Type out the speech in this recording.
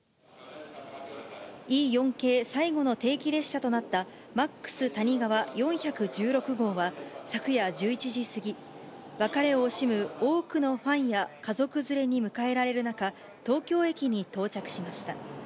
Ｅ４系最後の定期列車となったＭａｘたにがわ４１６号は、昨夜１１時過ぎ、別れを惜しむ多くのファンや家族連れに迎えられる中、東京駅に到着しました。